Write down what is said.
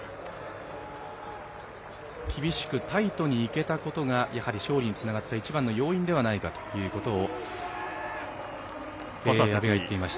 厳しくタイトに行けたことが勝利につながった一番の要因ではないかと安部は言っていました。